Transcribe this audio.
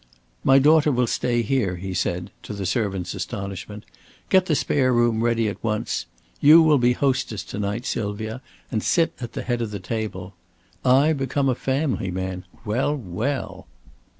"My daughter will stay here," he said, to the servant's astonishment. "Get the spare room ready at once. You will be hostess to night, Sylvia, and sit at the head of the table. I become a family man. Well, well!"